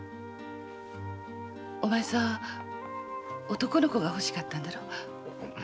お前さん男の子がほしかったんだろ？